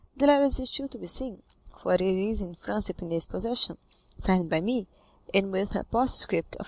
The letter is still to be seen, for it is in Franz d'Épinay's possession, signed by me, and with a postscript of M.